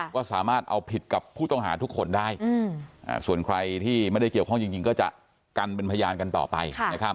ก็สามารถเอาผิดกับผู้ต้องหาทุกคนได้ส่วนใครที่ไม่ได้เกี่ยวข้องจริงก็จะกันเป็นพยานกันต่อไป